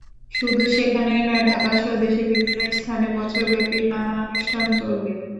শুধু সেখানেই নয়, ঢাকাসহ দেশের বিভিন্ন স্থানে বছরব্যাপী নানা অনুষ্ঠান চলবে।